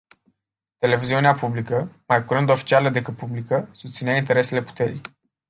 Televiziunea publică mai curând oficială decât publică, susținea interesele puterii.